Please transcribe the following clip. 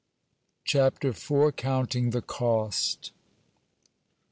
CHAPTER IV. COUNTING THE COST.